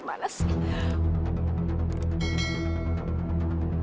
aduh ini anak gimana sih